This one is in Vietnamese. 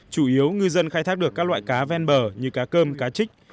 chủ yếu ngư dân khai thác được các loại cá ven bờ như cá cơm cá trích